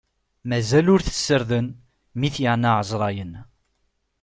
Mazal ur t-ssarden, mi t-yeɛna ɛezṛayen.